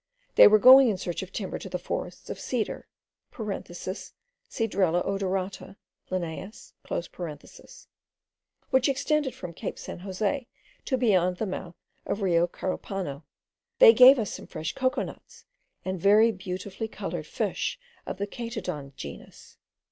They were going in search of timber to the forests of cedar (Cedrela odorata, Linn.), which extend from Cape San Jose to beyond the mouth of Rio Carupano. They gave us some fresh cocoa nuts, and very beautifully coloured fish of the Chaetodon genus.